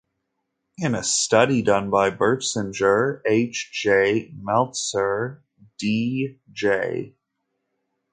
In a study done by Bertschinger, H. J., Meltzer, D. J.